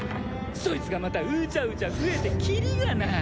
そいつがまたうじゃうじゃ増えてキリがない。